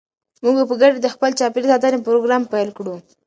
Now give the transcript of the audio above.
موږ به په ګډه د خپل چاپیریال ساتنې پروګرام پیل کړو.